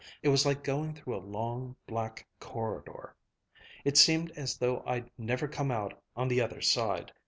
It was like going through a long black corridor. It seemed as though I'd never come out on the other side.